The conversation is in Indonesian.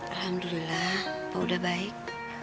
alhamdulillah pak udah baik